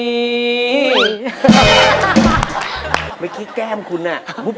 เมื่อกี้แก้มคุณน่ะ